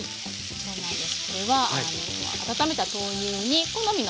そうなんです。